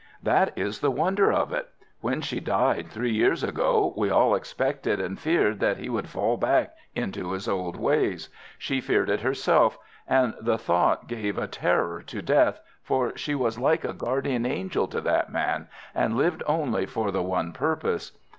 "That is the wonder of it. When she died three years ago, we all expected and feared that he would fall back into his old ways. She feared it herself, and the thought gave a terror to death, for she was like a guardian angel to that man, and lived only for the one purpose.